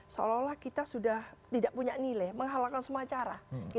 seolah olah kita sudah tidak punya nilai menghalangkan semua cara